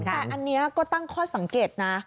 แต่อันนี้ก็ตั้งข้อสังเกตนะ